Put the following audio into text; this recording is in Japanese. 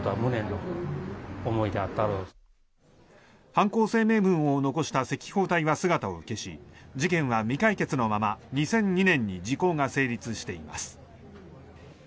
犯行声明文を残した赤報隊は姿を消し事件は未解決のまま２００２年に時効が成立しています。